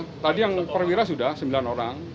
ya tadi yang perwira sudah sembilan orang